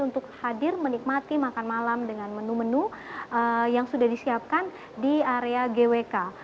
untuk hadir menikmati makan malam dengan menu menu yang sudah disiapkan di area gwk